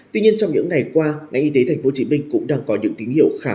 tuy nhiên trong những ngày qua ngành y tế tp hcm cũng đang có những tín hiệu khả năng